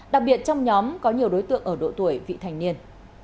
đặc biệt trong nhóm có nhiều đối tượng ở độ tuổi vị thành niên